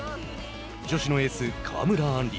女子のエース川村あんり。